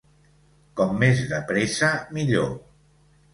Com més de pressa millor.